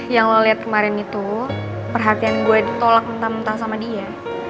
yang lo liat kemarin itu perhatian gue ditolak mentah mentah sama dia